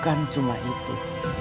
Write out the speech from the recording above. orang orang yang melakukan ini